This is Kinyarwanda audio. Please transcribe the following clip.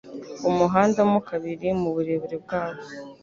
umuhanda mo kabiri mu burebure bwawo